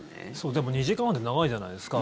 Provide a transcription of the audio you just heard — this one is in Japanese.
でも２時間半って長いじゃないですか。